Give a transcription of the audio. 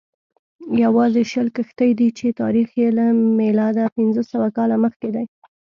یوازې شل کښتۍ دي چې تاریخ یې له میلاده پنځه سوه کاله مخکې دی